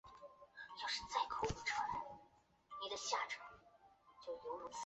科罗阿杜斯是巴西圣保罗州的一个市镇。